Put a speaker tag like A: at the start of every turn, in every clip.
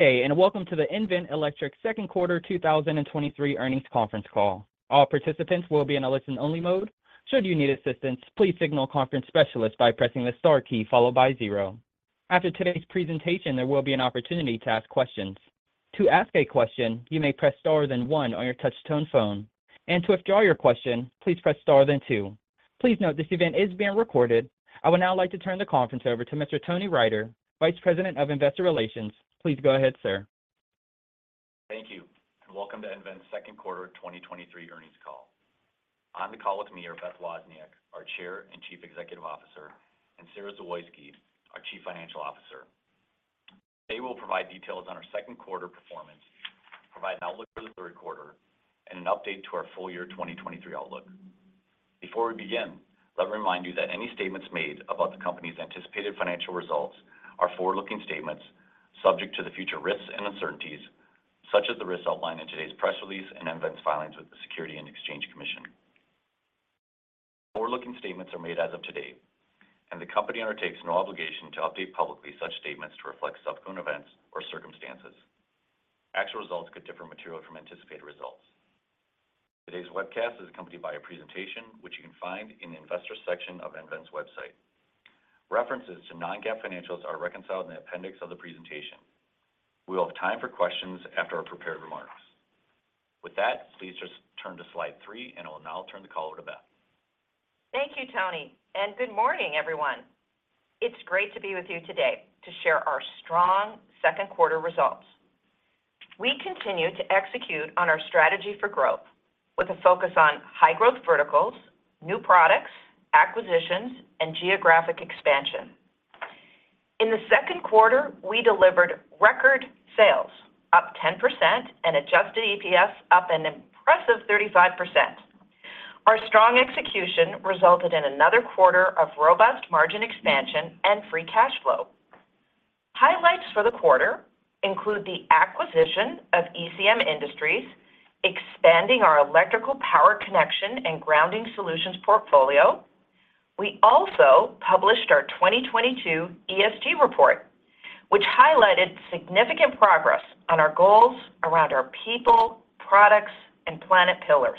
A: Hey, and welcome to the nVent Electric Second Quarter 2023 Earnings Conference Call. All participants will be in a listen-only mode. Should you need assistance, please signal conference specialist by pressing the star key followed by zero. After today's presentation, there will be an opportunity to ask questions. To ask a question, you may press star, then one on your touch tone phone. To withdraw your question, please press star, then two. Please note, this event is being recorded. I would now like to turn the conference over to Mr. Tony Riter, Vice President of Investor Relations. Please go ahead, sir.
B: Thank you, and welcome to nVent's second quarter 2023 earnings call. On the call with me are Beth Wozniak, our Chair and Chief Executive Officer, and Sara Zawoyski, our Chief Financial Officer. They will provide details on our second quarter performance, provide an outlook for the third quarter, and an update to our full year 2023 outlook. Before we begin, let me remind you that any statements made about the company's anticipated financial results are forward-looking statements, subject to the future risks and uncertainties, such as the risks outlined in today's press release and nVent's filings with the Securities and Exchange Commission. Forward-looking statements are made as of today, and the company undertakes no obligation to update publicly such statements to reflect subsequent events or circumstances. Actual results could differ materially from anticipated results. Today's webcast is accompanied by a presentation, which you can find in the Investors section of nVent's website. References to non-GAAP financials are reconciled in the appendix of the presentation. We will have time for questions after our prepared remarks. With that, please just turn to slide three, and I will now turn the call over to Beth.
C: Thank you, Tony. Good morning, everyone. It's great to be with you today to share our strong second quarter results. We continue to execute on our strategy for growth with a focus on high-growth verticals, new products, acquisitions, and geographic expansion. In the second quarter, we delivered record sales, up 10% and adjusted EPS up an impressive 35%. Our strong execution resulted in another quarter of robust margin expansion and free cash flow. Highlights for the quarter include the acquisition of ECM Industries, expanding our electrical power connection and grounding solutions portfolio. We also published our 2022 ESG report, which highlighted significant progress on our goals around our people, products, and planet pillars.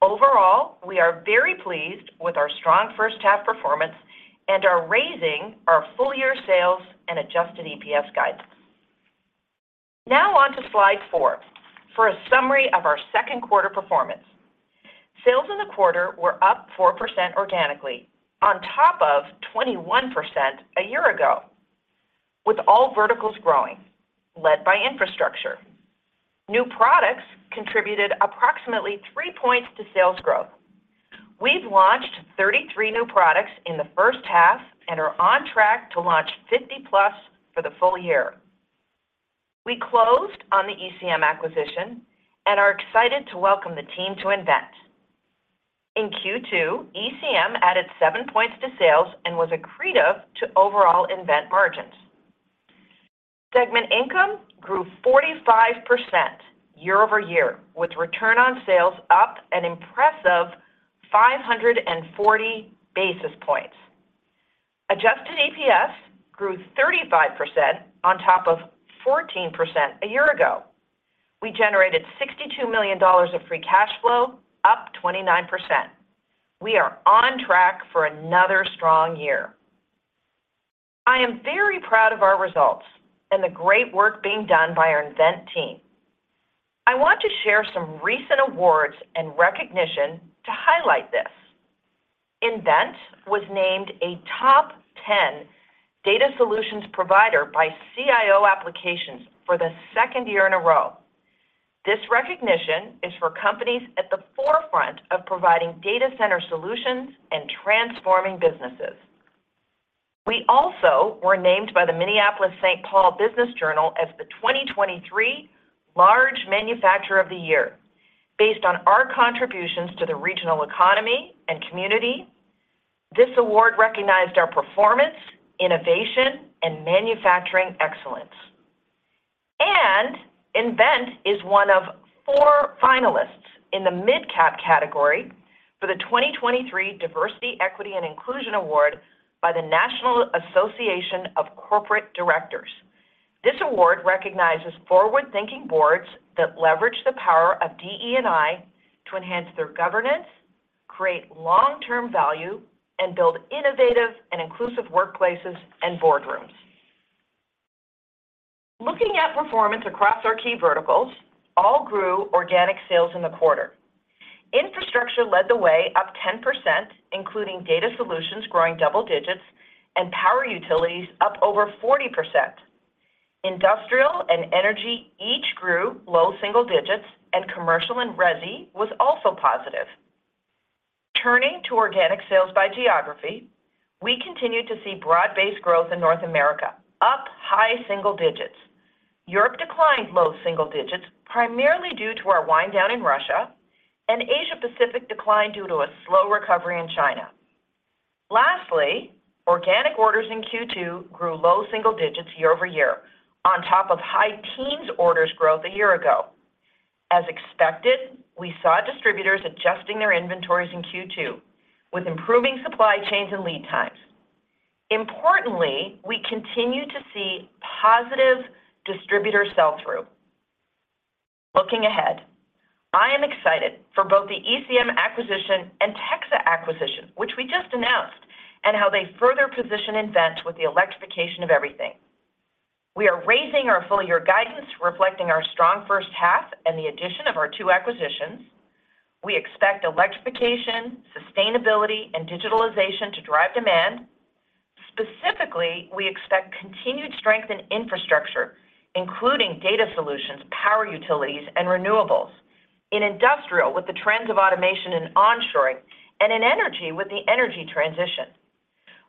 C: Overall, we are very pleased with our strong first half performance and are raising our full-year sales and adjusted EPS guidance. Now on to slide four. For a summary of our second quarter performance. Sales in the quarter were up 4% organically, on top of 21% a year ago, with all verticals growing, led by infrastructure. New products contributed approximately three points to sales growth. We've launched 33 new products in the first half and are on track to launch 50+ for the full year. We closed on the ECM acquisition and are excited to welcome the team to nVent. In Q2, ECM added 7 points to sales and was accretive to overall nVent margins. Segment income grew 45% year-over-year, with return on sales up an impressive 540 basis points. Adjusted EPS grew 35% on top of 14% a year ago. We generated $62 million of free cash flow, up 29%. We are on track for another strong year. I am very proud of our results and the great work being done by our nVent team. I want to share some recent awards and recognition to highlight this. nVent was named a Top 10 Data Solutions Provider by CIO Applications for the second year in a row. This recognition is for companies at the forefront of providing data center solutions and transforming businesses. We also were named by the Minneapolis/St. Paul Business Journal as the 2023 Large Manufacturer of the Year. Based on our contributions to the regional economy and community, this award recognized our performance, innovation, and manufacturing excellence. nVent is one of four finalists in the mid-cap category for the 2023 Diversity, Equity and Inclusion Award by the National Association of Corporate Directors. This award recognizes forward-thinking boards that leverage the power of DE&I to enhance their governance, create long-term value, and build innovative and inclusive workplaces and boardrooms. Looking at performance across our key verticals, all grew organic sales in the quarter. Infrastructure led the way up 10%, including data solutions growing double digits and power utilities up over 40%. Industrial and energy each grew low single digits, and commercial and resi was also positive. Turning to organic sales by geography, we continued to see broad-based growth in North America, up high single digits. Europe declined low single digits, primarily due to our wind down in Russia, and Asia Pacific declined due to a slow recovery in China. Lastly, organic orders in Q2 grew low single digits year-over-year, on top of high teens orders growth a year ago. As expected, we saw distributors adjusting their inventories in Q2 with improving supply chains and lead times. Importantly, we continue to see positive distributor sell-through. Looking ahead, I am excited for both the ECM acquisition and TEXA acquisition, which we just announced, and how they further position nVent with the electrification of everything. We are raising our full year guidance, reflecting our strong first half and the addition of our two acquisitions. We expect electrification, sustainability, and digitalization to drive demand. Specifically, we expect continued strength in infrastructure, including data solutions, power utilities, and renewables. In industrial, with the trends of automation and onshoring, and in energy, with the energy transition.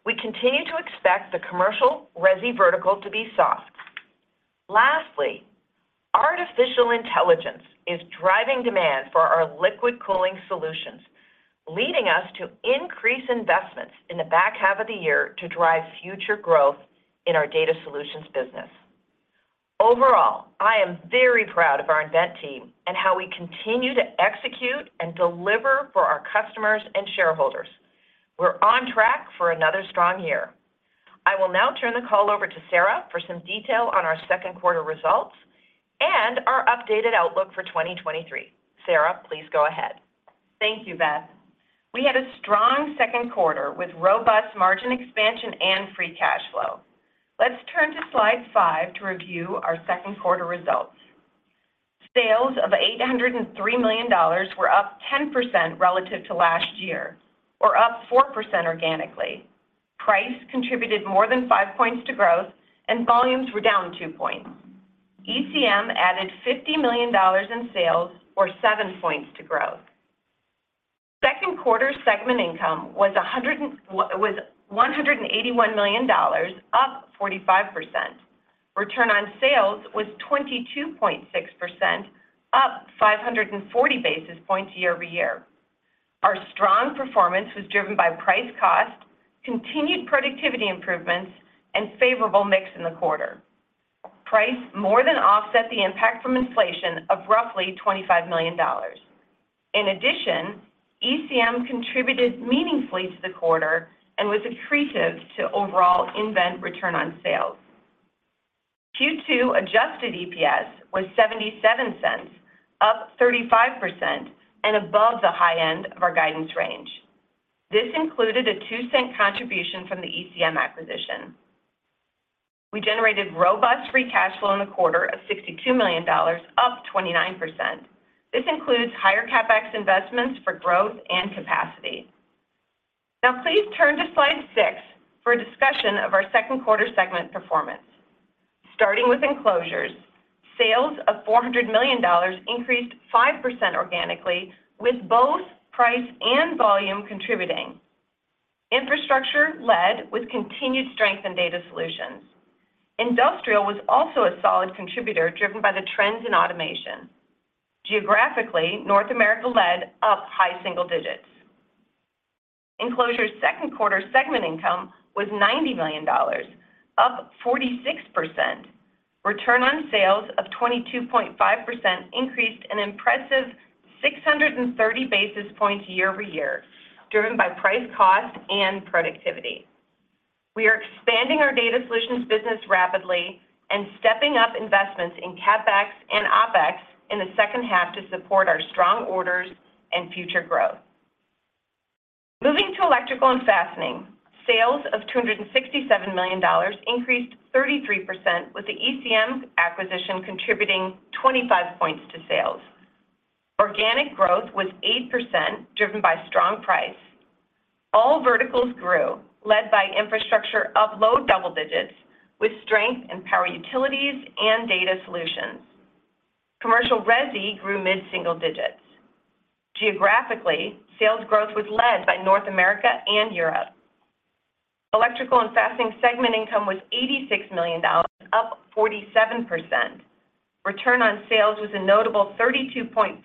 C: We continue to expect the commercial resi vertical to be soft. Lastly, artificial intelligence is driving demand for our liquid cooling solutions, leading us to increase investments in the back half of the year to drive future growth in our data solutions business. Overall, I am very proud of our nVent team and how we continue to execute and deliver for our customers and shareholders. We're on track for another strong year. I will now turn the call over to Sara for some detail on our second quarter results and our updated outlook for 2023. Sara, please go ahead.
D: Thank you, Beth. We had a strong second quarter with robust margin expansion and free cash flow. Let's turn to slide five to review our second quarter results. Sales of $803 million were up 10% relative to last year, or up 4% organically. Price contributed more than five points to growth, and volumes were down two points. ECM added $50 million in sales or seven points to growth. Second quarter segment income was $181 million, up 45%. Return on sales was 22.6%, up 540 basis points year-over-year. Our strong performance was driven by price cost, continued productivity improvements, and favorable mix in the quarter. Price more than offset the impact from inflation of roughly $25 million. In addition, ECM contributed meaningfully to the quarter and was accretive to overall nVent return on sales. Q2 adjusted EPS was $0.77, up 35% and above the high end of our guidance range. This included a $0.02 contribution from the ECM acquisition. We generated robust free cash flow in the quarter of $62 million, up 29%. This includes higher CapEx investments for growth and capacity. Now, please turn to slide six for a discussion of our second quarter segment performance. Starting with enclosures, sales of $400 million increased 5% organically, with both price and volume contributing. Infrastructure led with continued strength in data solutions. Industrial was also a solid contributor, driven by the trends in automation. Geographically, North America led up high single digits. Enclosure second quarter segment income was $90 million, up 46%. Return on sales of 22.5% increased an impressive 630 basis points year-over-year, driven by price cost and productivity. We are expanding our data solutions business rapidly and stepping up investments in CapEx and OpEx in the second half to support our strong orders and future growth. Moving to Electrical and Fastening, sales of $267 million increased 33%, with the ECM acquisition contributing 25 points to sales. Organic growth was 8%, driven by strong price. All verticals grew, led by infrastructure of low double digits, with strength in power utilities and data solutions. Commercial resi grew mid single digits. Geographically, sales growth was led by North America and Europe. Electrical and Fastening segment income was $86 million, up 47%. Return on sales was a notable 32.4%,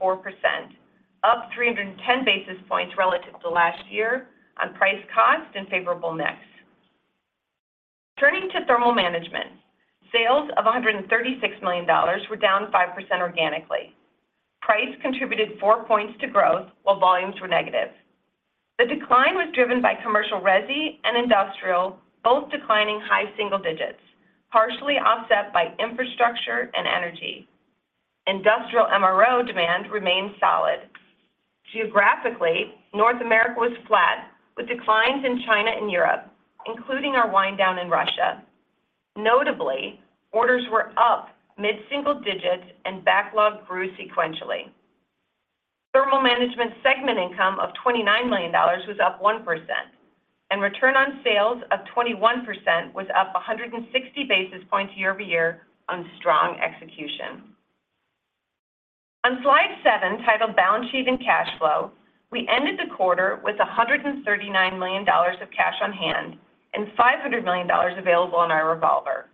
D: up 310 basis points relative to last year on price cost and favorable mix. Turning to thermal management, sales of $136 million were down 5% organically. Price contributed four points to growth, while volumes were negative. The decline was driven by commercial resi and industrial, both declining high single digits, partially offset by infrastructure and energy. Industrial MRO demand remained solid. Geographically, North America was flat, with declines in China and Europe, including our wind down in Russia. Notably, orders were up mid-single digits and backlog grew sequentially. Thermal management segment income of $29 million was up 1%, and return on sales of 21% was up 160 basis points year-over-year on strong execution. On slide seven, titled Balance Sheet and Cash Flow, we ended the quarter with $139 million of cash on hand and $500 million available on our revolver.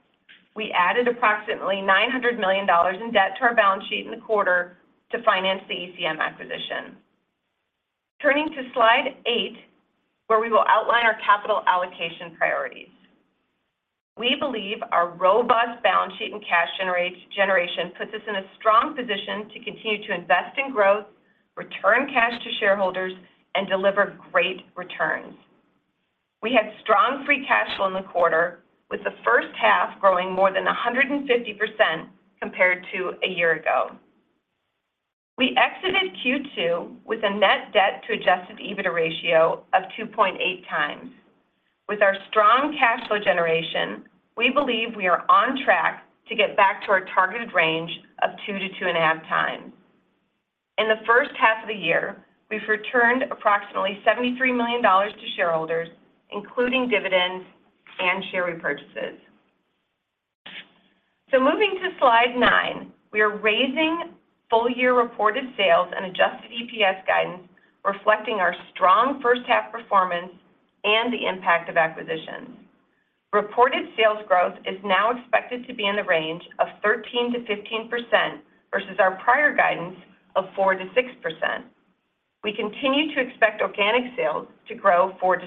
D: We added approximately $900 million in debt to our balance sheet in the quarter to finance the ECM acquisition. Turning to slide eight, where we will outline our capital allocation priorities. We believe our robust balance sheet and cash generation puts us in a strong position to continue to invest in growth, return cash to shareholders, and deliver great returns. We had strong free cash flow in the quarter, with the first half growing more than 150% compared to a year ago. We exited Q2 with a net debt to adjusted EBITDA ratio of 2.8 times. With our strong cash flow generation, we believe we are on track to get back to our targeted range of two to 2.5 times. In the first half of the year, we've returned approximately $73 million to shareholders, including dividends and share repurchases. Moving to slide nine, we are raising full-year reported sales and adjusted EPS guidance, reflecting our strong first half performance and the impact of acquisitions. Reported sales growth is now expected to be in the range of 13%-15% versus our prior guidance of 4%-6%. We continue to expect organic sales to grow 4%-6%.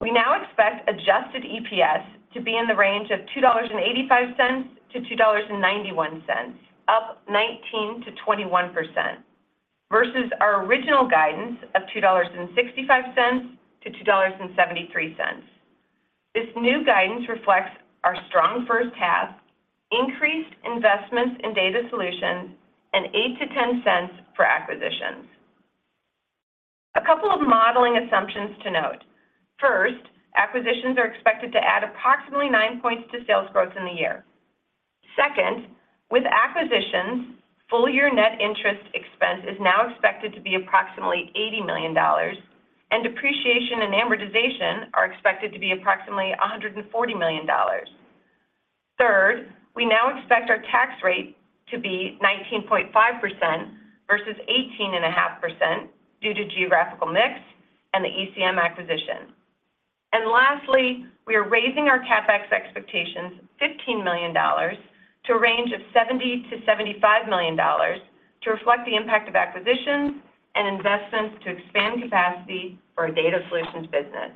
D: We now expect adjusted EPS to be in the range of $2.85-$2.91, up 19%-21%, versus our original guidance of $2.65-$2.73. This new guidance reflects our strong first half, increased investments in data solutions, and $0.08-$0.10 for acquisitions. A couple of modeling assumptions to note. First, acquisitions are expected to add approximately 9 points to sales growth in the year. Second, with acquisitions, full-year net interest expense is now expected to be approximately $80 million, and depreciation and amortization are expected to be approximately $140 million. Third, we now expect our tax rate to be 19.5% versus 18.5% due to geographical mix and the ECM acquisition. Lastly, we are raising our CapEx expectations $15 million to a range of $70 million-$75 million to reflect the impact of acquisitions and investments to expand capacity for our Data Solutions business.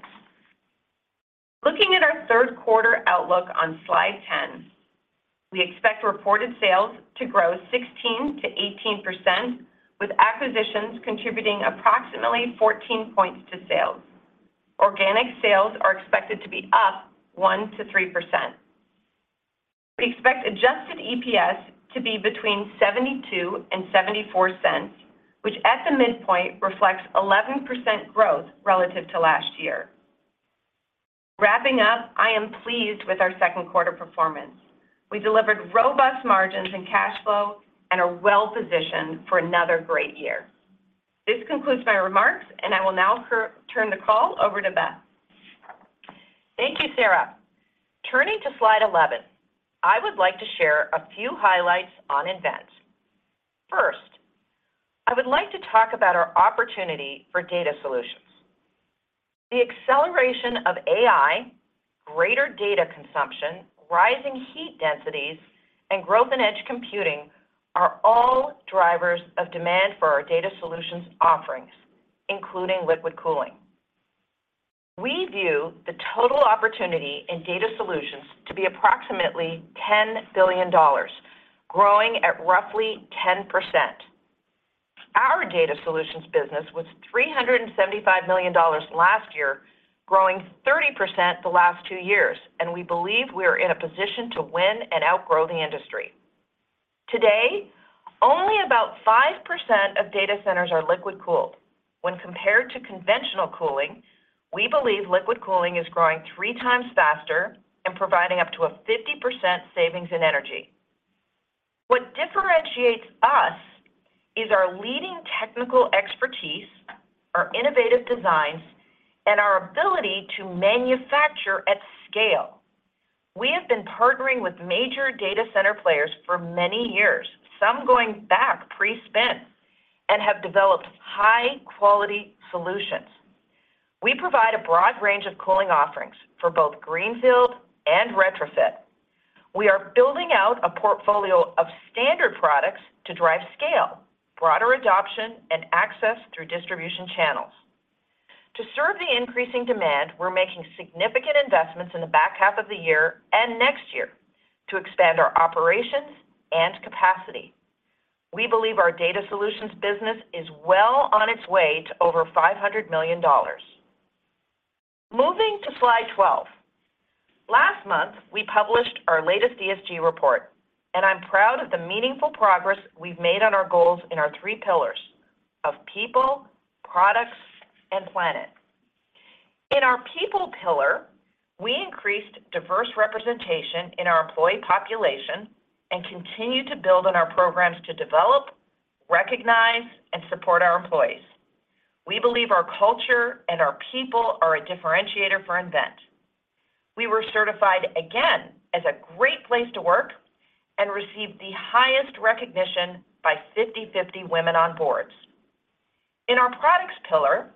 D: Looking at our third quarter outlook on slide 10, we expect reported sales to grow 16%-18%, with acquisitions contributing approximately 14 points to sales. Organic sales are expected to be up 1%-3%. We expect adjusted EPS to be between $0.72 and $0.74, which at the midpoint reflects 11% growth relative to last year. Wrapping up, I am pleased with our second quarter performance. We delivered robust margins and cash flow and are well positioned for another great year. This concludes my remarks, and I will now turn the call over to Beth.
C: Thank you, Sara. Turning to slide 11, I would like to share a few highlights on nVent. I would like to talk about our opportunity for data solutions. The acceleration of AI, greater data consumption, rising heat densities, and growth in edge computing are all drivers of demand for our data solutions offerings, including liquid cooling. We view the total opportunity in data solutions to be approximately $10 billion, growing at roughly 10%. Our data solutions business was $375 million last year, growing 30% the last two years, we believe we are in a position to win and outgrow the industry. Today, only about 5% of data centers are liquid-cooled. When compared to conventional cooling, we believe liquid cooling is growing three times faster and providing up to a 50% savings in energy. What differentiates us is our leading technical expertise, our innovative designs, and our ability to manufacture at scale. We have been partnering with major data center players for many years, some going back pre-spin, and have developed high-quality solutions. We provide a broad range of cooling offerings for both greenfield and retrofit. We are building out a portfolio of standard products to drive scale, broader adoption, and access through distribution channels. To serve the increasing demand, we're making significant investments in the back half of the year and next year to expand our operations and capacity. We believe our data solutions business is well on its way to over $500 million. Moving to slide 12. Last month, we published our latest ESG report, and I'm proud of the meaningful progress we've made on our goals in our three pillars of people, products, and planet. In our people pillar, we increased diverse representation in our employee population and continued to build on our programs to develop, recognize, and support our employees. We believe our culture and our people are a differentiator for nVent. We were certified again as a great place to work and received the highest recognition by 50/50 Women on Boards. In our products pillar,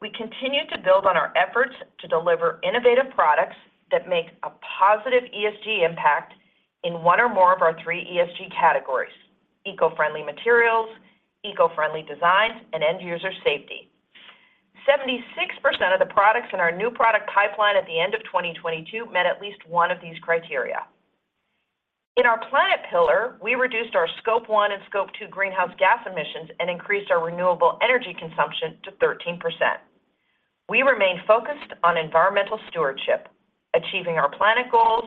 C: we continued to build on our efforts to deliver innovative products that make a positive ESG impact in one or more of our three ESG categories: eco-friendly materials, eco-friendly designs, and end user safety. 76% of the products in our new product pipeline at the end of 2022 met at least one of these criteria. In our planet pillar, we reduced our Scope one and Scope two greenhouse gas emissions and increased our renewable energy consumption to 13%. We remain focused on environmental stewardship, achieving our planet goals,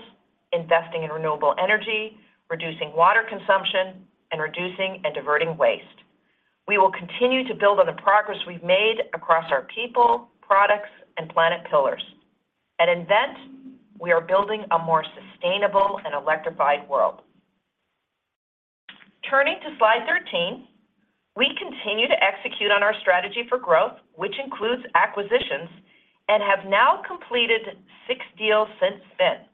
C: investing in renewable energy, reducing water consumption, and reducing and diverting waste. We will continue to build on the progress we've made across our people, products, and planet pillars. At nVent, we are building a more sustainable and electrified world. Turning to slide 13, we continue to execute on our strategy for growth, which includes acquisitions, and have now completed six deals since then.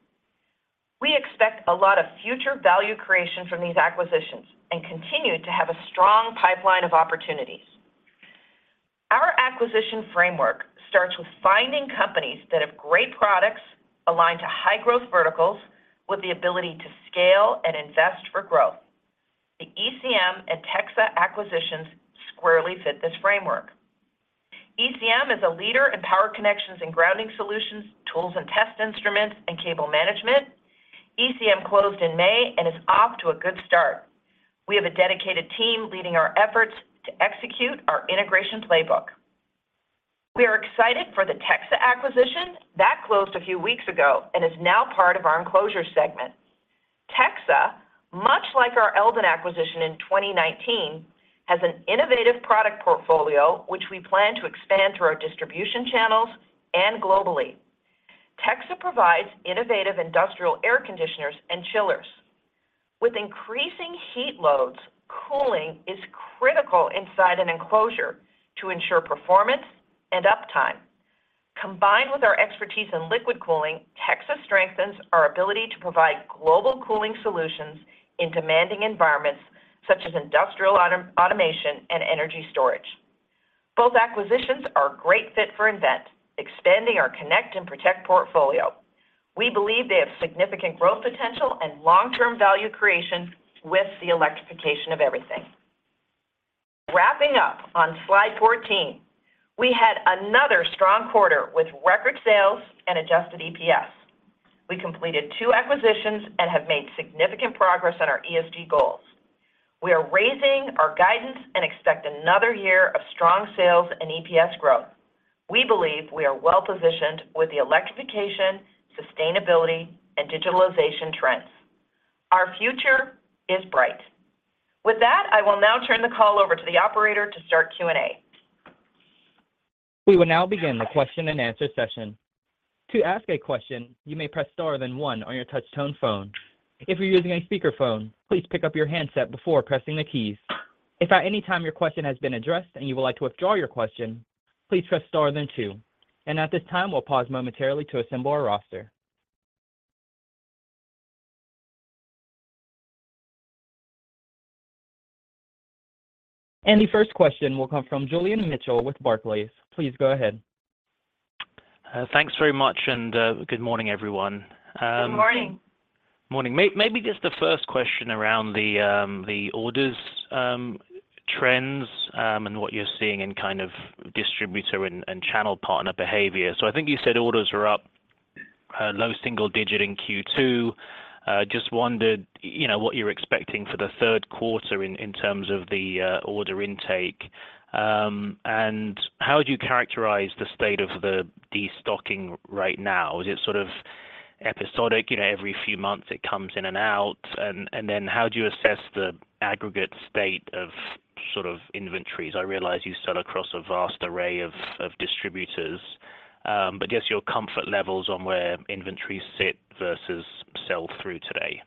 C: We expect a lot of future value creation from these acquisitions and continue to have a strong pipeline of opportunities. Our acquisition framework starts with finding companies that have great products aligned to high growth verticals, with the ability to scale and invest for growth. The ECM and TEXA acquisitions squarely fit this framework. ECM is a leader in power connections and grounding solutions, tools and test instruments, and cable management. ECM closed in May and is off to a good start. We have a dedicated team leading our efforts to execute our integration playbook. We are excited for the TEXA acquisition. That closed a few weeks ago and is now part of our enclosure segment. TEXA, much like our Eldon acquisition in 2019, has an innovative product portfolio, which we plan to expand through our distribution channels and globally. TEXA provides innovative industrial air conditioners and chillers. With increasing heat loads, cooling is critical inside an enclosure to ensure performance and uptime. Combined with our expertise in liquid cooling, TEXA strengthens our ability to provide global cooling solutions in demanding environments such as industrial auto-automation and energy storage. Both acquisitions are a great fit for nVent, expanding our connect and protect portfolio. We believe they have significant growth potential and long-term value creation with the electrification of everything. Wrapping up on slide 14, we had another strong quarter with record sales and adjusted EPS. We completed two acquisitions and have made significant progress on our ESG goals. We are raising our guidance and expect another year of strong sales and EPS growth. We believe we are well positioned with the electrification, sustainability, and digitalization trends. Our future is bright. With that, I will now turn the call over to the operator to start Q&A.
A: We will now begin the question and answer session. To ask a question, you may press star then one on your touch tone phone. If you're using a speakerphone, please pick up your handset before pressing the keys. If at any time your question has been addressed and you would like to withdraw your question, please press star then two. At this time, we'll pause momentarily to assemble our roster. The first question will come from Julian Mitchell with Barclays. Please go ahead.
E: Thanks very much, and, good morning, everyone.
C: Good morning.
E: Morning. May-maybe just the first question around the, the orders, trends, and what you're seeing in kind of distributor and, and channel partner behavior. I think you said orders were up, low single digit in Q2. Just wondered, you know, what you're expecting for the third quarter in, in terms of the order intake. How would you characterize the state of the destocking right now? Is it sort of episodic, you know, every few months it comes in and out? Then how do you assess the aggregate state of sort of inventories? I realize you sell across a vast array of, of distributors, but guess your comfort levels on where inventories sit versus sell through today.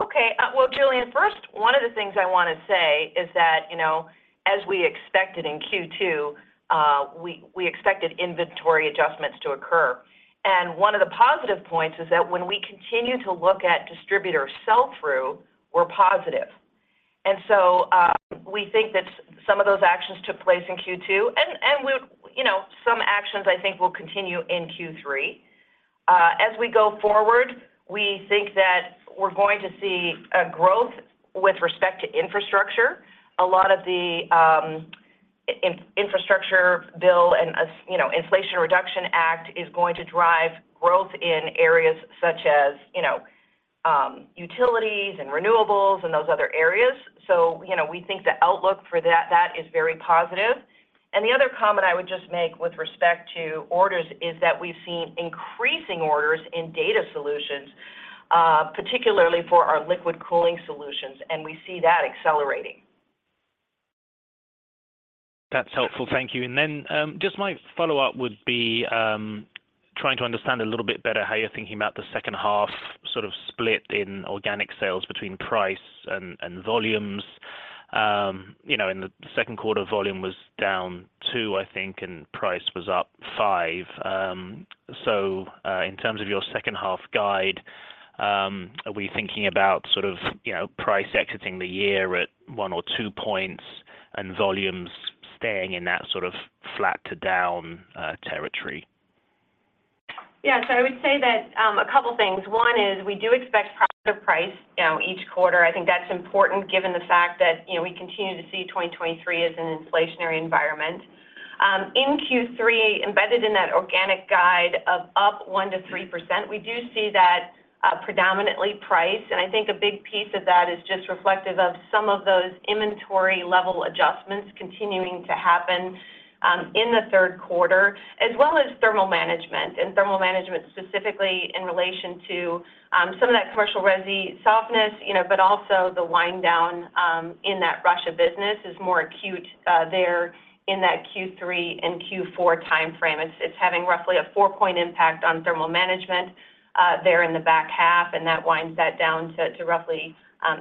C: Okay, well, Julian, first, one of the things I want to say is that, you know, as we expected in Q2, we, we expected inventory adjustments to occur. One of the positive points is that when we continue to look at distributor sell-through, we're positive. We think that some of those actions took place in Q2. You know, some actions I think will continue in Q3. As we go forward, we think that we're going to see a growth with respect to infrastructure. A lot of the infrastructure bill and, you know, Inflation Reduction Act is going to drive growth in areas such as, you know, utilities and renewables and those other areas. You know, we think the outlook for that, that is very positive. The other comment I would just make with respect to orders is that we've seen increasing orders in data solutions, particularly for our liquid cooling solutions, and we see that accelerating.
E: That's helpful. Thank you. Just my follow-up would be, trying to understand a little bit better how you're thinking about the 2nd half, sort of split in organic sales between price and, and volumes. You know, in Q2, volume was down two, I think, and price was up five. In terms of your 2nd half guide, Are we thinking about sort of, you know, price exiting the year at one or two points, and volumes staying in that sort of flat to down territory?
C: Yeah. I would say that, a couple things. One is we do expect positive price, you know, each quarter. I think that's important, given the fact that, you know, we continue to see 2023 as an inflationary environment. In Q3, embedded in that organic guide of up 1%-3%, we do see that, predominantly priced, and I think a big piece of that is just reflective of some of those inventory level adjustments continuing to happen, in the third quarter, as well as thermal management, and thermal management specifically in relation to, some of that commercial resi softness, you know, but also the wind down, in that Russia business is more acute, there in that Q3 and Q4 timeframe. It's, it's having roughly a four-point impact on thermal management, there in the back half, and that winds that down to, to roughly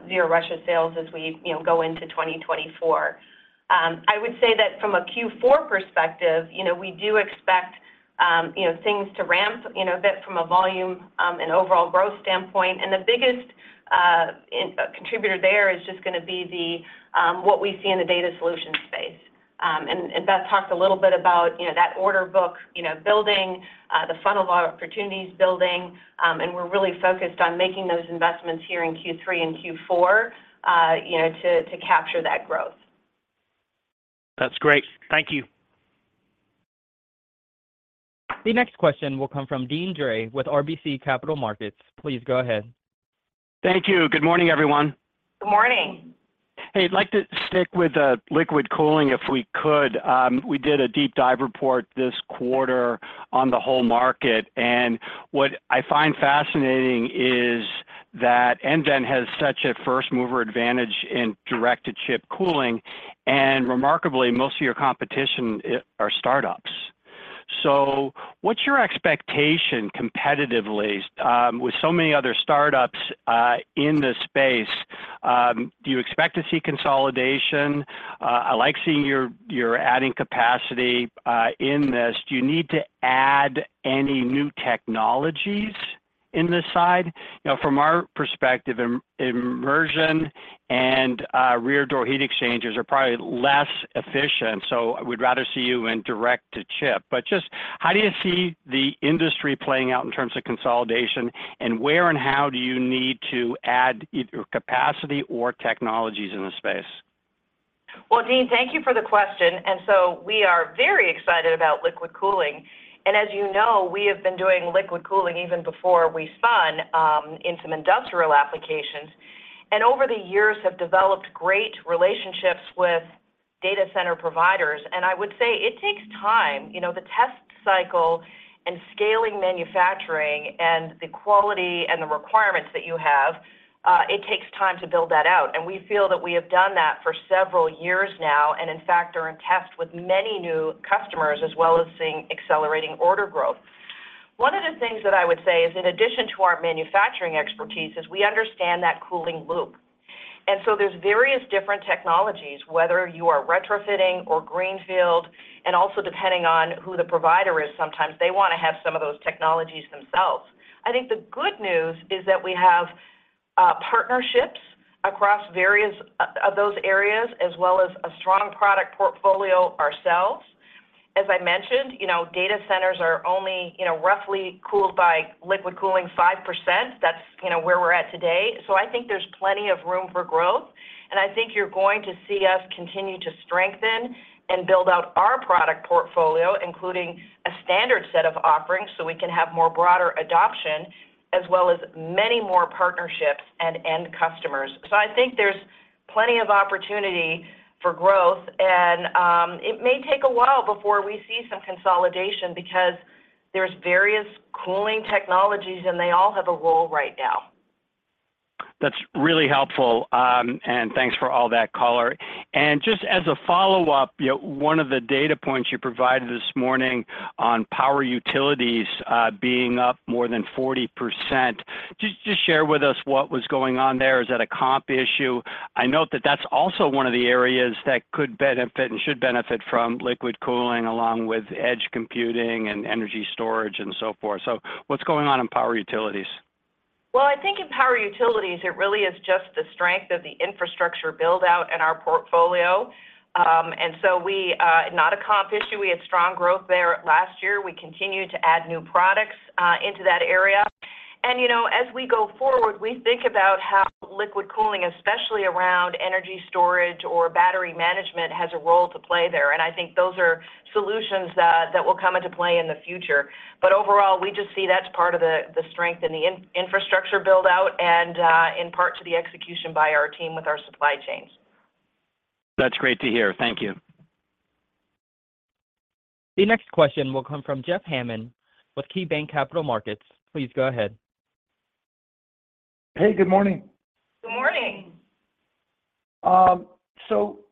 C: zero Russia sales as we, you know, go into 2024. I would say that from a Q4 perspective, you know, we do expect, you know, things to ramp, you know, a bit from a volume, and overall growth standpoint. The biggest contributor there is just gonna be the what we see in the data solution space. Beth talked a little bit about, you know, that order book, you know, building, the funnel of opportunities building, and we're really focused on making those investments here in Q3 and Q4, you know, to, to capture that growth.
F: That's great. Thank you.
A: The next question will come from Deane Dray with RBC Capital Markets. Please go ahead.
G: Thank you. Good morning, everyone.
C: Good morning.
G: Hey, I'd like to stick with liquid cooling if we could. We did a deep dive report this quarter on the whole market. What I find fascinating is that nVent has such a first mover advantage in direct-to-chip cooling. Remarkably, most of your competition are startups. What's your expectation competitively with so many other startups in this space, do you expect to see consolidation? I like seeing you're, you're adding capacity in this. Do you need to add any new technologies in this side? You know, from our perspective, immersion and rear door heat exchangers are probably less efficient, so we'd rather see you in direct-to-chip. Just how do you see the industry playing out in terms of consolidation, and where and how do you need to add either capacity or technologies in the space?
C: Well, Dean, thank you for the question. We are very excited about liquid cooling, and as you know, we have been doing liquid cooling even before we spun into industrial applications, and over the years have developed great relationships with data center providers. I would say it takes time, you know, the test cycle and scaling manufacturing and the quality and the requirements that you have, it takes time to build that out, and we feel that we have done that for several years now, and in fact, are in test with many new customers, as well as seeing accelerating order growth. One of the things that I would say is, in addition to our manufacturing expertise, is we understand that cooling loop. There's various different technologies, whether you are retrofitting or greenfield, also depending on who the provider is, sometimes they want to have some of those technologies themselves. I think the good news is that we have partnerships across various of those areas, as well as a strong product portfolio ourselves. As I mentioned, you know, data centers are only, you know, roughly cooled by liquid cooling 5%. That's, you know, where we're at today. I think there's plenty of room for growth, and I think you're going to see us continue to strengthen and build out our product portfolio, including a standard set of offerings, so we can have more broader adoption, as well as many more partnerships and end customers. I think there's plenty of opportunity for growth, and it may take a while before we see some consolidation because there's various cooling technologies, and they all have a role right now.
G: That's really helpful, and thanks for all that color. Just as a follow-up, you know, one of the data points you provided this morning on power utilities, being up more than 40%. Just, just share with us what was going on there. Is that a comp issue? I note that that's also one of the areas that could benefit and should benefit from liquid cooling, along with edge computing and energy storage and so forth. What's going on in power utilities?
C: Well, I think in power utilities, it really is just the strength of the infrastructure build-out in our portfolio. We, not a comp issue, we had strong growth there last year. We continued to add new products into that area. You know, as we go forward, we think about how liquid cooling, especially around energy storage or battery management, has a role to play there. I think those are solutions that, that will come into play in the future. Overall, we just see that's part of the, the strength in the infrastructure build-out and in part to the execution by our team with our supply chains.
G: That's great to hear. Thank you.
A: The next question will come from Jeff Hammond with KeyBanc Capital Markets. Please go ahead.
F: Hey, good morning.
C: Good morning.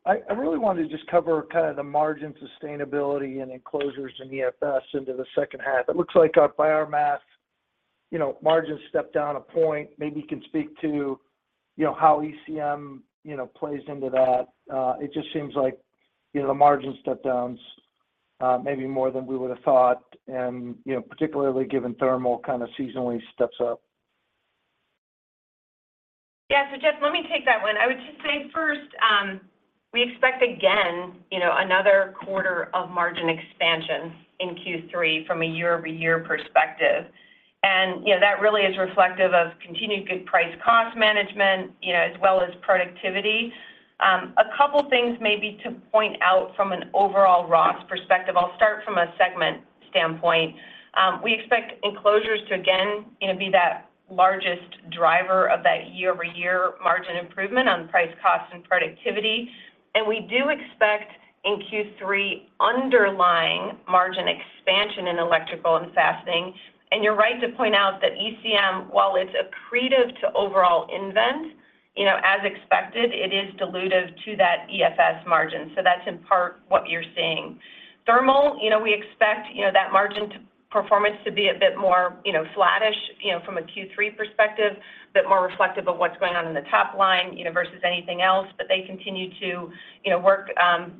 F: I, I really wanted to just cover kind of the margin sustainability and enclosures in EFS into the second half. It looks like our biomass, you know, margins stepped down 1 point. Maybe you can speak to, you know, how ECM, you know, plays into that. It just seems like, you know, the margin step-downs maybe more than we would have thought, and, you know, particularly given thermal kind of seasonally steps up?
D: Yeah. Jeff, let me take that one. I would just say first, we expect, again, you know, another quarter of margin expansion in Q3 from a year-over-year perspective. You know, that really is reflective of continued good price cost management, you know, as well as productivity. A couple things maybe to point out from an overall Ross perspective, I'll start from a segment standpoint. We expect enclosures to, again, you know, be that largest driver of that year-over-year margin improvement on price, cost, and productivity. We do expect in Q3, underlying margin expansion in electrical and fastening. You're right to point out that ECM, while it's accretive to overall nVent, you know, as expected, it is dilutive to that EFS margin, so that's in part what you're seeing. Thermal, you know, we expect, you know, that margin performance to be a bit more, you know, flattish, you know, from a Q3 perspective, a bit more reflective of what's going on in the top line, you know, versus anything else. They continue to, you know, work,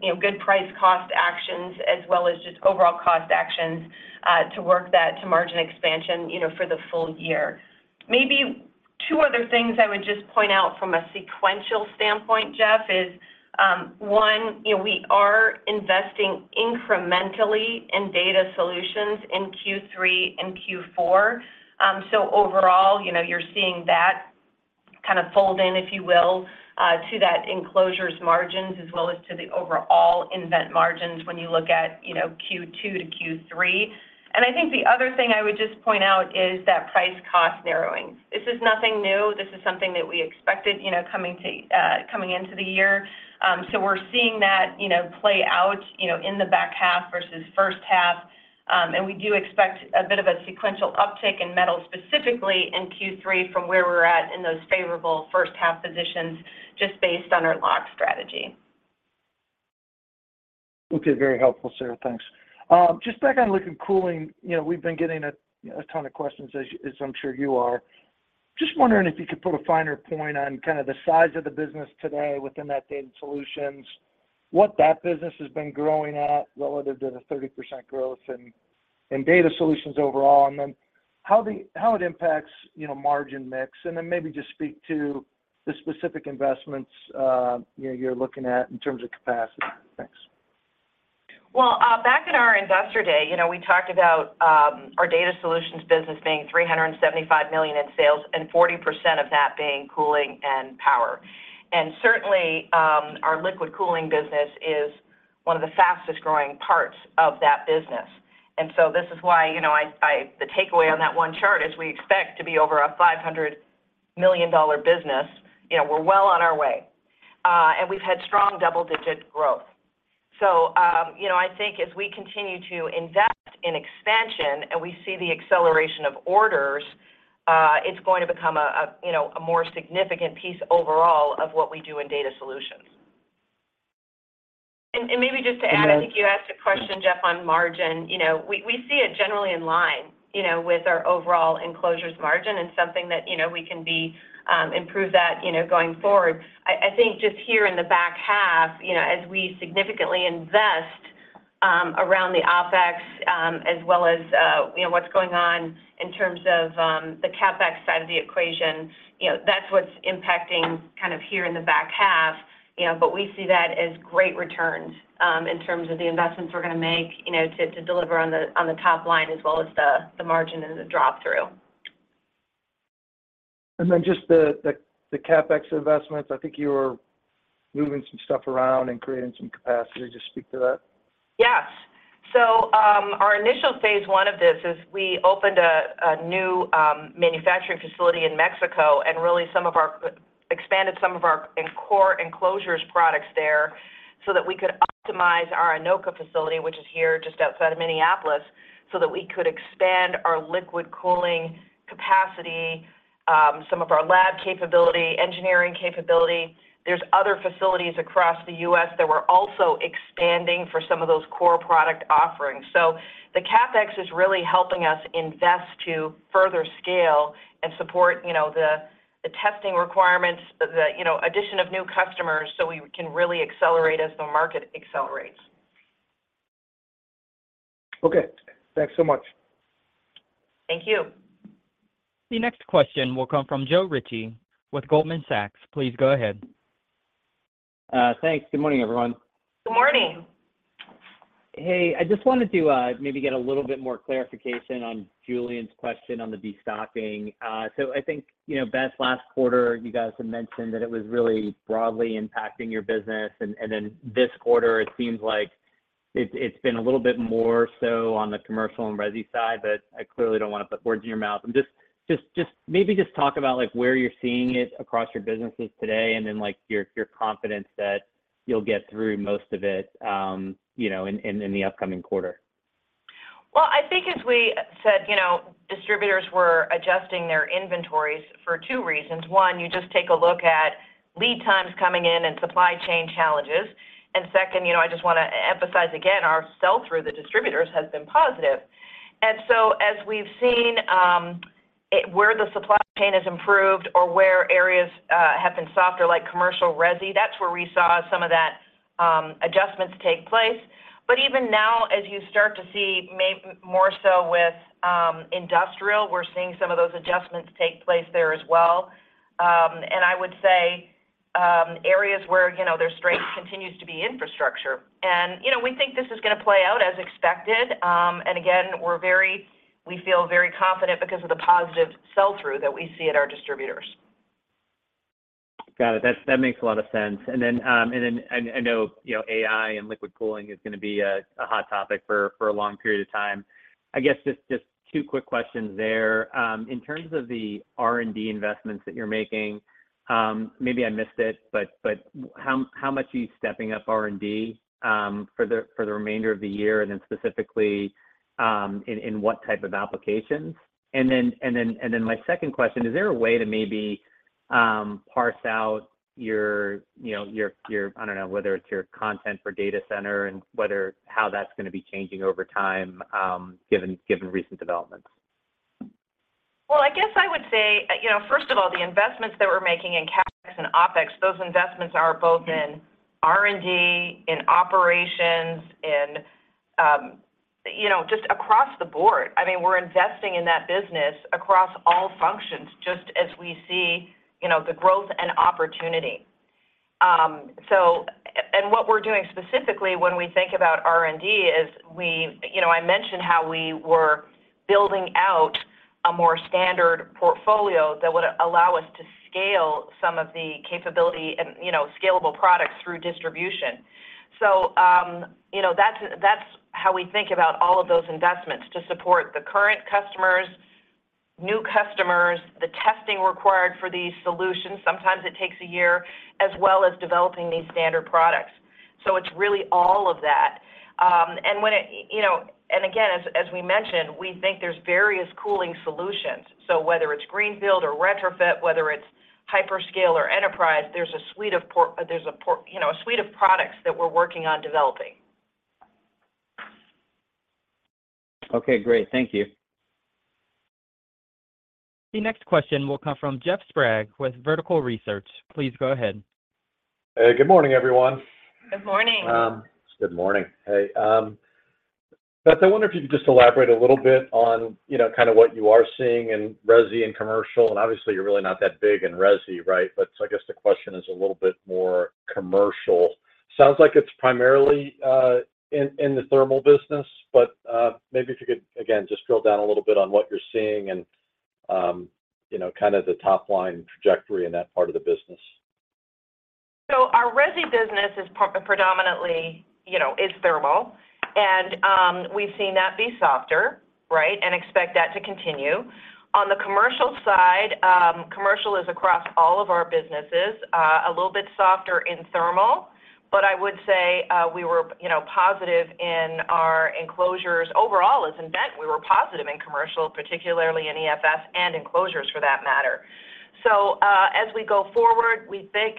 D: you know, good price cost actions as well as just overall cost actions to work that to margin expansion, you know, for the full year. Maybe two other things I would just point out from a sequential standpoint, Jeff, is one, you know, we are investing incrementally in data solutions in Q3 and Q4. Overall, you know, you're seeing that kind of fold in, if you will, to that enclosures margins as well as to the overall nVent margins when you look at, you know, Q2 to Q3. I think the other thing I would just point out is that price-cost narrowing. This is nothing new. This is something that we expected, you know, coming to, coming into the year. We're seeing that, you know, play out, you know, in the back half versus first half. We do expect a bit of a sequential uptick in metal, specifically in Q3 from where we're at in those favorable first half positions, just based on our lock strategy.
F: Okay. Very helpful, Sara. Thanks. Just back on liquid cooling, you know, we've been getting a, a ton of questions, as, as I'm sure you are. Just wondering if you could put a finer point on kind of the size of the business today within that data solutions, what that business has been growing at relative to the 30% growth and data solutions overall, and then how it impacts, you know, margin mix. Then maybe just speak to the specific investments, you know, you're looking at in terms of capacity. Thanks.
D: Well, back in our Investor Day, you know, we talked about our data solutions business being $375 million in sales and 40% of that being cooling and power. Certainly, our liquid cooling business is one of the fastest growing parts of that business. This is why, you know, I-- the takeaway on that one chart is we expect to be over a $500 million business. You know, we're well on our way, and we've had strong double-digit growth. You know, I think as we continue to invest in expansion and we see the acceleration of orders, it's going to become a, you know, a more significant piece overall of what we do in data solutions.
C: Maybe just to add, I think you asked a question, Jeff, on margin. You know, we, we see it generally in line, you know, with our overall enclosures margin and something that, you know, we can be, improve that, you know, going forward. I, I think just here in the back half, you know, as we significantly invest around the OpEx as well as, you know, what's going on in terms of the CapEx side of the equation, you know, that's what's impacting kind of here in the back half, you know. We see that as great returns in terms of the investments we're gonna make, you know, to, to deliver on the, on the top line as well as the, the margin and the drop-through.
F: Just the CapEx investments, I think you were moving some stuff around and creating some capacity. Just speak to that.
D: Yes. Our initial phase I of this is we opened a, a new manufacturing facility in Mexico, and really some of our-- expanded some of our core enclosures products there so that we could optimize our Anoka facility, which is here just outside of Minneapolis, so that we could expand our liquid cooling capacity, some of our lab capability, engineering capability. There's other facilities across the U.S. that we're also expanding for some of those core product offerings. The CapEx is really helping us invest to further scale and support, you know, the, the testing requirements, the, you know, addition of new customers so we can really accelerate as the market accelerates.
F: Okay. Thanks so much.
D: Thank you.
A: The next question will come from Joe Ritchie with Goldman Sachs. Please go ahead.
H: Thanks. Good morning, everyone.
D: Good morning.
H: Hey, I just wanted to, maybe get a little bit more clarification on Julian's question on the destocking. I think, you know, Beth, last quarter you guys had mentioned that it was really broadly impacting your business, and, and then this quarter it seems like it, it's been a little bit more so on the commercial and resi side, but I clearly don't want to put words in your mouth. Just, just maybe just talk about, like, where you're seeing it across your businesses today, and then, like, your, your confidence that you'll get through most of it, you know, in, in, in the upcoming quarter.
C: Well, I think as we said, you know, distributors were adjusting their inventories for 2 reasons. 1, you just take a look at lead times coming in and supply chain challenges. Second, you know, I just want to emphasize again, our sell-through the distributors has been positive. As we've seen, it, where the supply chain has improved or where areas have been softer, like commercial resi, that's where we saw some of that adjustments take place. Even now, as you start to see more so with industrial, we're seeing some of those adjustments take place there as well. I would say, areas where, you know, their strength continues to be infrastructure. You know, we think this is going to play out as expected. Again, we feel very confident because of the positive sell-through that we see at our distributors.
H: Got it. That, that makes a lot of sense. Then, and then, and, and I know, you know, AI and liquid cooling is going to be a hot topic for a long period of time. I guess just, just two quick questions there. In terms of the R&D investments that you're making, maybe I missed it, but, but how, how much are you stepping up R&D for the remainder of the year, and then specifically, in what type of applications? Then, and then, and then my second question, is there a way to maybe parse out your, you know, your, your, I don't know, whether it's your content for data center and whether how that's going to be changing over time, given, given recent developments?
C: Well, I guess I would say, you know, first of all, the investments that we're making in CapEx and OpEx, those investments are both in R&D, in operations, in, you know, just across the board. I mean, we're investing in that business across all functions, just as we see, you know, the growth and opportunity. And what we're doing specifically when we think about R&D is, you know, I mentioned how we were building out a more standard portfolio that would allow us to scale some of the capability and, you know, scalable products through distribution. That's, that's how we think about all of those investments to support the current customers, new customers, the testing required for these solutions, sometimes it takes a year, as well as developing these standard products. It's really all of that. When it, you know, and again, as, as we mentioned, we think there's various cooling solutions. Whether it's greenfield or retrofit, whether it's hyperscale or enterprise, you know, a suite of products that we're working on developing.
H: Okay, great. Thank you.
A: The next question will come from Jeff Sprague with Vertical Research. Please go ahead.
I: Hey, good morning, everyone.
C: Good morning.
I: Good morning. Hey, Beth, I wonder if you could just elaborate a little bit on, you know, kind of what you are seeing in resi and commercial, and obviously, you're really not that big in resi, right? I guess the question is a little bit more commercial. Sounds like it's primarily in, in the thermal business, but maybe if you could, again, just drill down a little bit on what you're seeing and, you know, kind of the top line trajectory in that part of the business.
C: Our resi business is predominantly, you know, is thermal, and we've seen that be softer, right, and expect that to continue. On the commercial side, commercial is across all of our businesses, a little bit softer in thermal, but I would say, we were, you know, positive in our enclosures. Overall, as nVent, we were positive in commercial, particularly in EFS and enclosures for that matter. As we go forward, we think,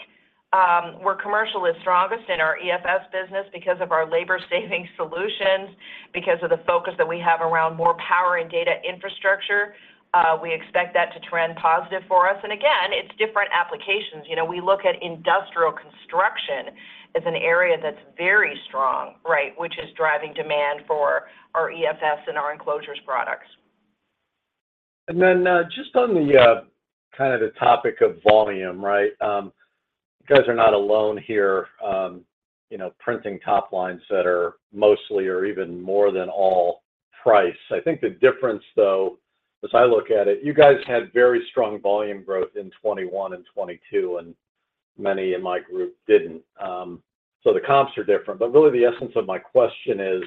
C: where commercial is strongest in our EFS business because of our labor saving solutions, because of the focus that we have around more power and data infrastructure, we expect that to trend positive for us. Again, it's different applications. You know, we look at industrial construction as an area that's very strong, right, which is driving demand for our EFS and our enclosures products.
I: Then, just on the kind of the topic of volume, right? You guys are not alone here, you know, printing top lines that are mostly or even more than all price. I think the difference, though, as I look at it, you guys had very strong volume growth in 2021 and 2022, and many in my group didn't. The comps are different, but really the essence of my question is,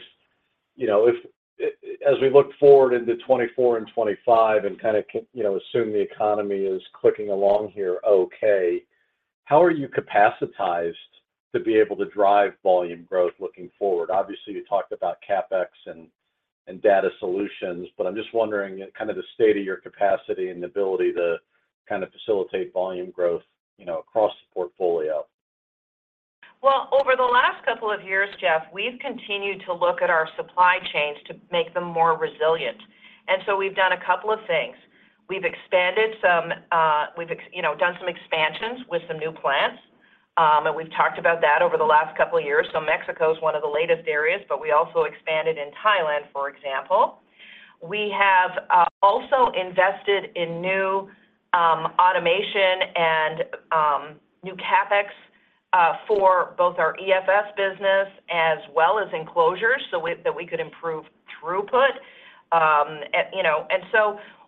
I: you know, if, as we look forward into 2024 and 2025 and kind of, you know, assume the economy is clicking along here, okay, how are you capacitized to be able to drive volume growth looking forward? Obviously, you talked about CapEx and data solutions, I'm just wondering kind of the state of your capacity and ability to kind of facilitate volume growth, you know, across the portfolio.
C: Well, over the last couple of years, Jeff, we've continued to look at our supply chains to make them more resilient. We've done a couple of things. We've expanded some, you know, done some expansions with some new plants, and we've talked about that over the last couple of years. Mexico is one of the latest areas, we also expanded in Thailand, for example. We have also invested in new automation and new CapEx for both our EFS business as well as enclosures, so that we could improve throughput. You know,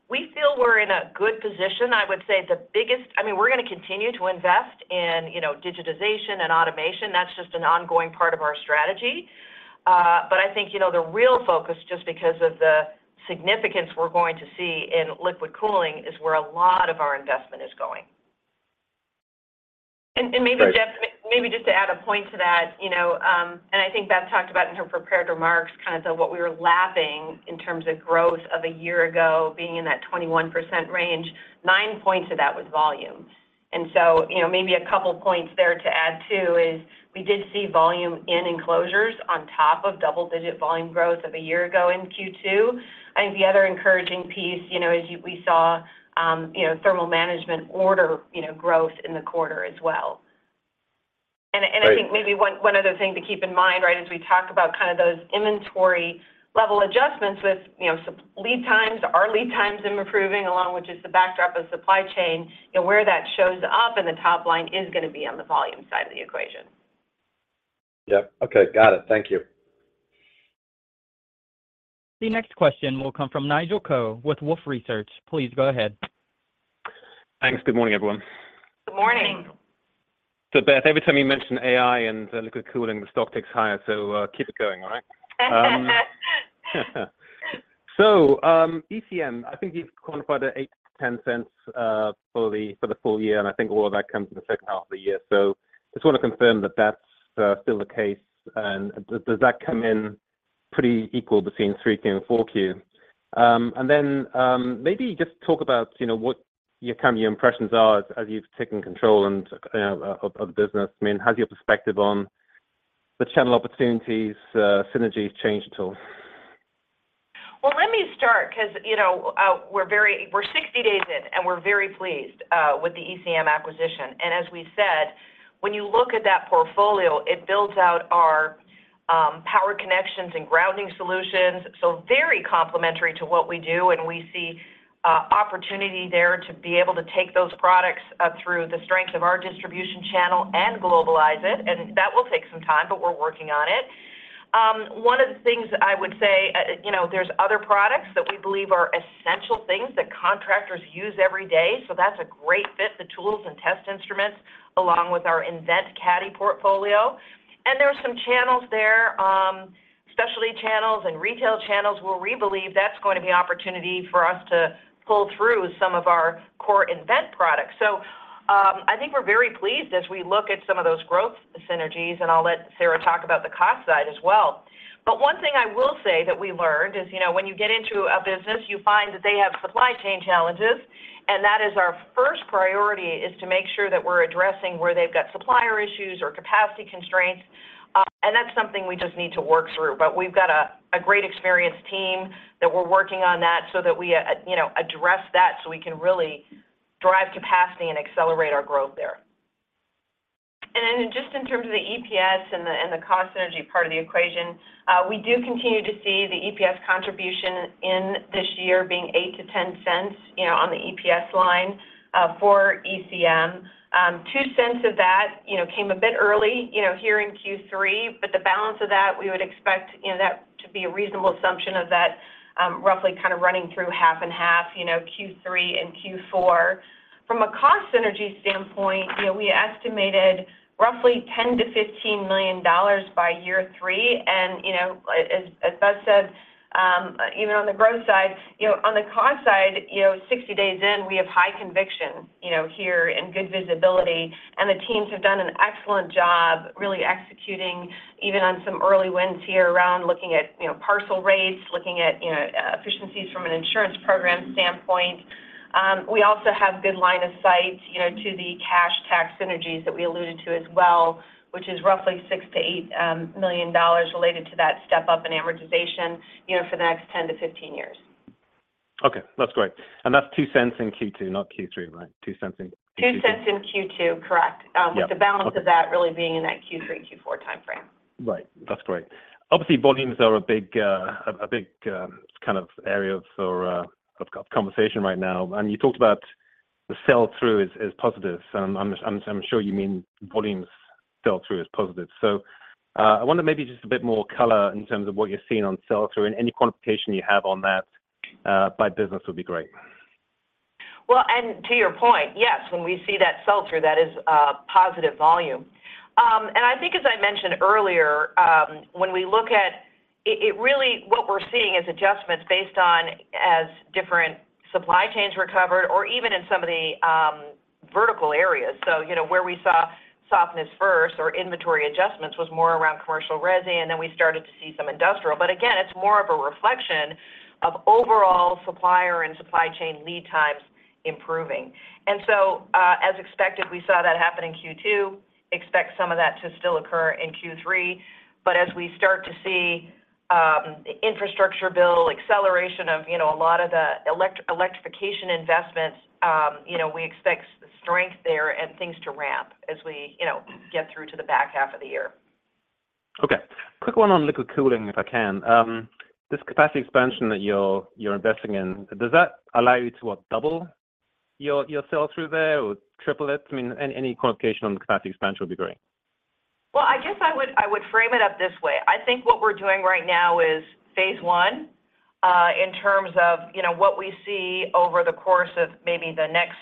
C: we feel we're in a good position. I would say the biggest... I mean, we're going to continue to invest in, you know, digitization and automation. That's just an ongoing part of our strategy. I think, you know, the real focus, just because of the significance we're going to see in liquid cooling, is where a lot of our investment is going.
D: and maybe, Jeff-
I: Great.
D: Maybe just to add a point to that, you know, and I think Beth talked about in her prepared remarks, kind of the, what we were lapping in terms of growth of a year ago, being in that 21% range, nine points of that was volume....
C: you know, maybe a couple points there to add, too, is we did see volume in enclosures on top of double-digit volume growth of a year ago in Q2. I think the other encouraging piece, you know, we saw, you know, thermal management order, you know, growth in the quarter as well.
D: Right.
C: I think maybe one, one other thing to keep in mind, right, as we talk about kind of those inventory level adjustments with, you know, some lead times, our lead times improving, along with just the backdrop of supply chain, you know, where that shows up in the top line is gonna be on the volume side of the equation.
D: Yep. Okay. Got it. Thank you.
A: The next question will come from Nigel Coe with Wolfe Research. Please go ahead.
J: Thanks. Good morning, everyone.
C: Good morning.
D: Morning.
J: Beth, every time you mention AI and liquid cooling, the stock ticks higher, keep it going, all right? ECM, I think you've quantified it $0.08-$0.10 for the full year, and I think all of that comes in the second half of the year. Just want to confirm that that's still the case, and does that come in pretty equal between Q3 and Q4? And then, maybe just talk about, you know, what your kind of your impressions are as you've taken control of the business. I mean, has your perspective on the channel opportunities, synergies changed at all?
C: Well, let me start, 'cause, you know, we're very-- we're 60 days in, and we're very pleased with the ECM acquisition. As we said, when you look at that portfolio, it builds out our power connections and grounding solutions, so very complementary to what we do, and we see opportunity there to be able to take those products through the strength of our distribution channel and globalize it. That will take some time, but we're working on it. One of the things I would say, you know, there's other products that we believe are essential things that contractors use every day, so that's a great fit, the tools and test instruments, along with our nVent CADDY portfolio. There are some channels there, specialty channels and retail channels, where we believe that's going to be an opportunity for us to pull through some of our core nVent products. I think we're very pleased as we look at some of those growth synergies, and I'll let Sara talk about the cost side as well. One thing I will say that we learned is, you know, when you get into a business, you find that they have supply chain challenges, and that is our first priority, is to make sure that we're addressing where they've got supplier issues or capacity constraints. That's something we just need to work through, but we've got a great, experienced team that we're working on that so that we, you know, address that, so we can really drive capacity and accelerate our growth there.
D: Just in terms of the EPS and the, and the cost synergy part of the equation, we do continue to see the EPS contribution in this year being $0.08-$0.10, you know, on the EPS line, for ECM. $0.02 of that, you know, came a bit early, you know, here in Q3, but the balance of that, we would expect, you know, that to be a reasonable assumption of that, roughly kind of running through half and half, you know, Q3 and Q4. From a cost synergy standpoint, you know, we estimated roughly $10 million-$15 million by year three, and, you know, as, as Beth said, you know, on the growth side... You know, on the cost side, you know, 60 days in, we have high conviction, you know, here and good visibility, and the teams have done an excellent job really executing, even on some early wins here around looking at, you know, parcel rates, looking at, you know, efficiencies from an insurance program standpoint. We also have good line of sight, you know, to the cash tax synergies that we alluded to as well, which is roughly $6 million-$8 million related to that step up in amortization, you know, for the next 10-15 years.
J: Okay, that's great. That's $0.02 in Q2, not Q3, right? $0.02 in Q2.
D: $0.02 in Q2, correct.
J: Yep.
D: With the balance of that really being in that Q3, Q4 timeframe.
J: Right. That's great. Obviously, volumes are a big kind of area for conversation right now, and you talked about the sell-through is positive. I'm sure you mean volumes sell-through is positive. I wonder maybe just a bit more color in terms of what you're seeing on sell-through and any quantification you have on that by business would be great.
C: Well, to your point, yes, when we see that sell-through, that is positive volume. I think as I mentioned earlier, when we look at... It really, what we're seeing is adjustments based on as different supply chains recovered or even in some of the vertical areas. You know, where we saw softness first or inventory adjustments was more around commercial resi, and then we started to see some industrial. Again, it's more of a reflection of overall supplier and supply chain lead times improving. As expected, we saw that happen in Q2. Expect some of that to still occur in Q3, as we start to see infrastructure build, acceleration of, you know, a lot of the electrification investments, you know, we expect strength there and things to ramp as we, you know, get through to the back half of the year.
J: Okay. Quick one on liquid cooling, if I can. This capacity expansion that you're, you're investing in, does that allow you to, what, double your, your sell-through there or triple it? I mean, any, any quantification on the capacity expansion would be great.
C: Well, I guess I would, I would frame it up this way. I think what we're doing right now is phase I in terms of, you know, what we see over the course of maybe the next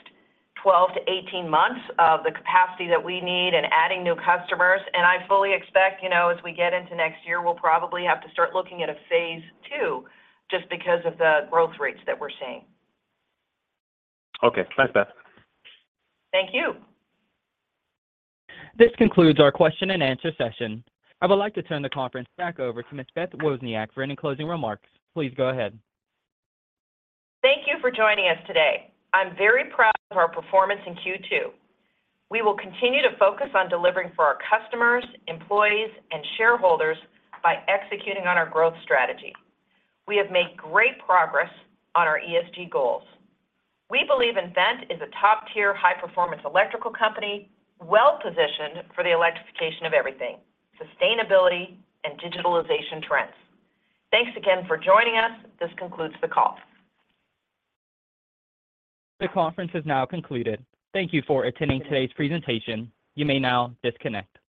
C: 12 to 18 months of the capacity that we need and adding new customers. I fully expect, you know, as we get into next year, we'll probably have to start looking at a phase II just because of the growth rates that we're seeing.
J: Okay. Thanks, Beth.
C: Thank you.
A: This concludes our question and answer session. I would like to turn the conference back over to Ms. Beth Wozniak for any closing remarks. Please go ahead.
C: Thank you for joining us today. I'm very proud of our performance in Q2. We will continue to focus on delivering for our customers, employees, and shareholders by executing on our growth strategy. We have made great progress on our ESG goals. We believe nVent is a top-tier, high-performance electrical company, well positioned for the electrification of everything, sustainability and digitalization trends. Thanks again for joining us. This concludes the call.
A: The conference is now concluded. Thank you for attending today's presentation. You may now disconnect.